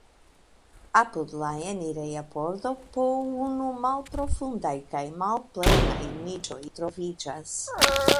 Apud la enireja pordo po unu malprofundaj kaj malplenaj niĉoj troviĝas.